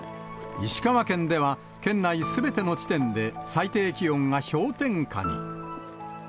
石川県では、県内すべての地点で最低気温が氷点下に。